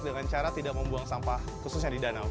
dengan cara tidak membuang sampah khususnya di danau